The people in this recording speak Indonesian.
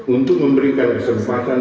untuk memberikan kesempatan